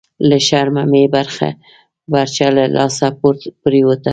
لهٔ شرمه مې برچه لهٔ لاسه پریوته… »